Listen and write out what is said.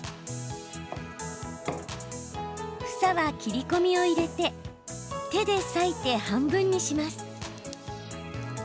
房は切り込みを入れて手で裂いて半分にします。